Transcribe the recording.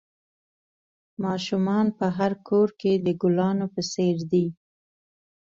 ماشومان په هر کور کې د گلانو په څېر دي.